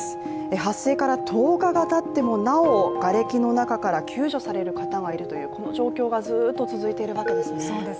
発生から１０日がたってもなおがれきの中から救助される方がいるというこの状況がずっと続いているわけですね。